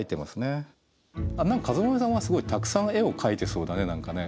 かずまめさんはすごいたくさん絵を描いてそうだね何かね。